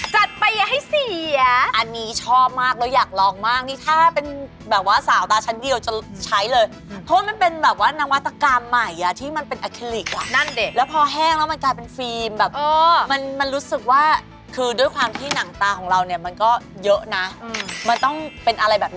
จัดไปอย่าให้เสียอันนี้ชอบมากแล้วอยากลองมากนี่ถ้าเป็นแบบว่าสาวตาชั้นเดียวจะใช้เลยเพราะว่ามันเป็นแบบว่านวัตกรรมใหม่อ่ะที่มันเป็นแอคลิลิกอ่ะนั่นดิแล้วพอแห้งแล้วมันกลายเป็นฟิล์มแบบมันมันรู้สึกว่าคือด้วยความที่หนังตาของเราเนี่ยมันก็เยอะนะมันต้องเป็นอะไรแบบนี้